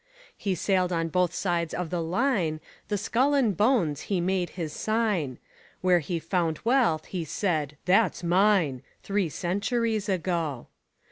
He sailed on both sides of the line, The skull and bones he made his sign; Where he found wealth, he said: "That's mine!" Three centuries ago.